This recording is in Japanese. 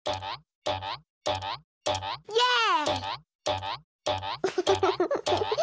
イエーイ！